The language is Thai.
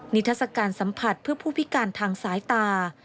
ทัศกาลสัมผัสเพื่อผู้พิการทางสายตา